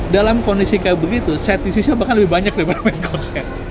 dalam kondisi kayak begitu set isisnya bahkan lebih banyak daripada main courset